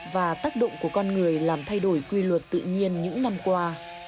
và tác động của con người làm thay đổi quy luật tự nhiên những năm qua